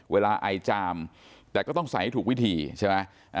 ไอจามแต่ก็ต้องใส่ให้ถูกวิธีใช่ไหม